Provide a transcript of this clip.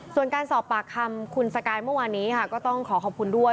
ส่วนการสอบปากคำคุณสกายเมื่อวานนี้ค่ะก็ต้องขอขอบคุณด้วย